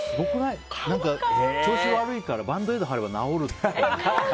調子悪いからバンドエイド貼れば治ると。